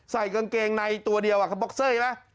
ใส่กางเกงในตัวเดียวเขาบ็อกเซอร์ใช่ไหม